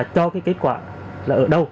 cho kết quả là ở đâu